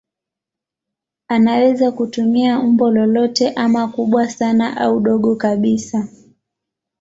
Anaweza kutumia umbo lolote ama kubwa sana au dogo kabisa.